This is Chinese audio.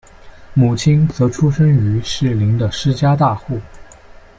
母亲则出身于士林的施家大户。